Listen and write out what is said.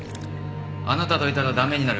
あなたといたら駄目になる。